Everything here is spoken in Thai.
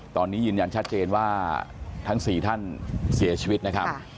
ตอนนี้ยืนยันชัดเจนว่าทั้ง๔ท่านเสียชีวิตนะครับ